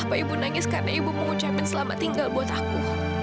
bapak ibu nangis karena ibu mengucapkan selamat tinggal buat aku